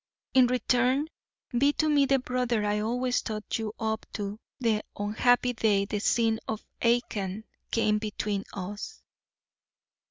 In return, be to me the brother I always thought you up to the unhappy day the sin of Achan came between us.'